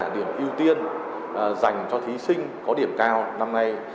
điểm ưu tiên dành cho thí sinh có điểm cao năm nay